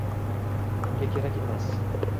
Unda kerak emas.